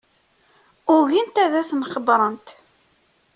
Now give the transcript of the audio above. Ugint ad ten-xebbrent.